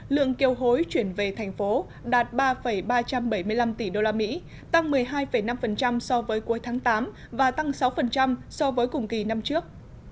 lượng kiều hối chuyển về thành phố đạt ba ba trăm bảy mươi năm tỷ usd tăng một mươi hai năm so với cuối tháng tám và tăng sáu so với cùng kỳ năm trước